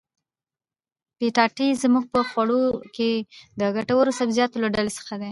پټاټې زموږ په خوړو کښي د ګټورو سبزيجاتو له ډلي څخه دي.